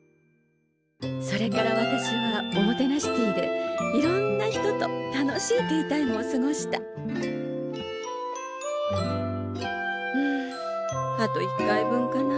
それから私はおもてなしティーでいろんな人と楽しいティータイムを過ごしたうんあと１回分かな。